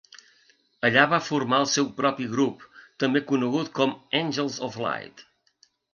Allà va formar el seu propi grup també conegut com Angels of Light.